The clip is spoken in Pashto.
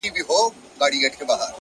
• داسي قبـاله مي په وجـود كي ده؛